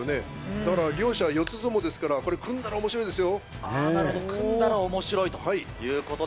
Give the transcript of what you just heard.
だから、両者四つ相撲ですから、これ、組んだらおもしろいですよ。